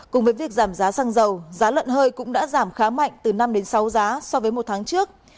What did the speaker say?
cùng với việc giảm giá xăng dầu giá lợn hơi cũng đã giảm khá mạnh từ năm sáu giá so với một tháng trước